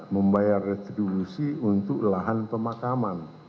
membayar retribusi untuk lahan pemakaman